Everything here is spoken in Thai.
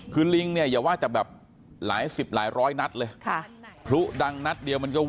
คือลิงเนี่ยอย่าว่าจะแบบหลายสิบหลายร้อยนัดเลย